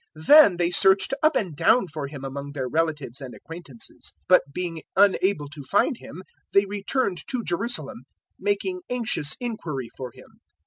Then they searched up and down for Him among their relatives and acquaintances; 002:045 but being unable to find Him they returned to Jerusalem, making anxious inquiry for Him.